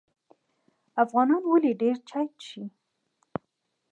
افغانان ولې ډیر چای څښي؟